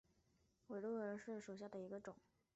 范睢肋骨介为粗面介科肋骨介属下的一个种。